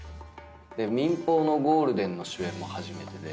民放のゴールデンの主演も初めてで。